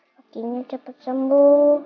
kakinya cepat sembuh